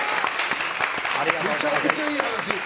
めちゃくちゃいい話。